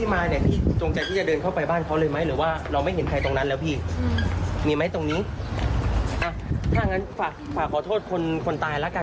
ไม่ขอให้ข้อมูลแต่อย่าขอโทษครอบครัวคนตายนะคะ